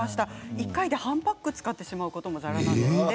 １回で半パック使ってしまうこともざらなんですって。